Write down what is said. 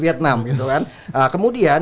vietnam gitu kan kemudian